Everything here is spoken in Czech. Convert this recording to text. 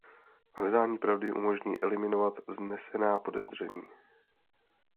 Hledání pravdy umožní eliminovat vznesená podezření.